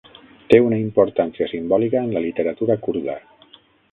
Té una importància simbòlica en la literatura kurda.